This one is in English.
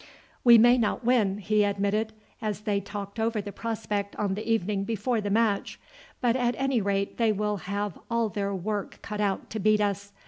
"We may not win," he admitted, as they talked over the prospect on the evening before the match, "but at any rate they will have all their work cut out to beat us.